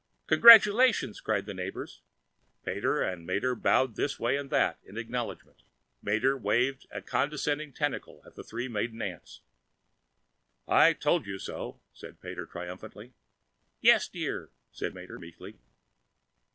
"Congratulations!" cried the neighbors. Pater and Mater bowed this way and that in acknowledgment. Mater waved a condescending tentacle to the three maiden aunts. "I told you so!" said Pater triumphantly. "Yes, dear...." said Mater meekly.